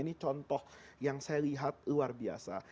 ini contoh yang saya lihat luar biasa